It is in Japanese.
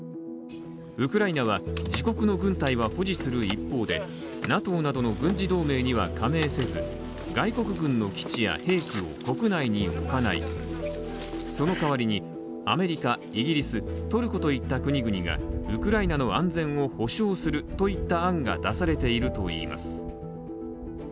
ウクライナは自国の軍隊は保持する一方でＮＡＴＯなどの軍事同盟には加盟せず外国軍の基地や兵器を国内に置かない、その代わりにアメリカ、イギリス、トルコといった国々がウクライナの安全を保障するといった案が出されているといいます。